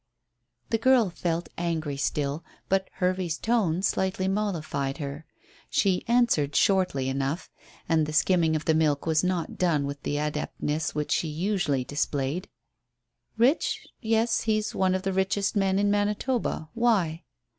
The girl felt angry still, but Hervey's tone slightly mollified her. She answered shortly enough, and the skimming of the milk was not done with the adeptness which she usually displayed. "Rich? Yes, he's one of the richest men in Manitoba. Why?"